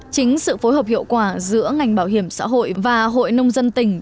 chính sự phối hợp hiệu quả giữa ngành bảo hiểm xã hội và hội nông dân tỉnh